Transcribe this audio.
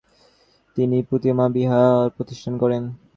তিনি পো-তি-মা বিহার প্রতিষ্ঠা করেন।